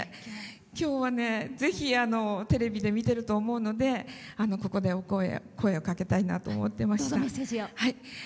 今日は、ぜひテレビで見てると思うのでここで声をかけたいなと思ってました。